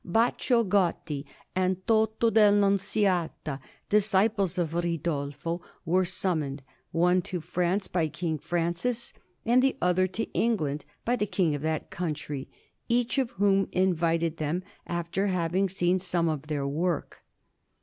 Baccio Gotti and Toto del Nunziata, disciples of Ridolfo, were summoned, one to France by King Francis, and the other to England by the King of that country, each of whom invited them after having seen some of their work.